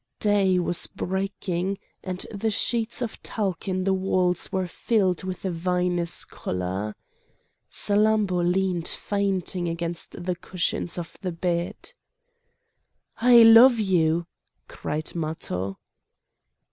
Day was breaking, and the sheets of talc in the walls were filled with a vinous colour. Salammbô leaned fainting against the cushions of the bed. "I love you!" cried Matho.